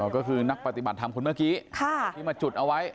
ก็คือนักปฏิบัติธรรมคนเมื่อกี้ที่มาจุดเอาไว้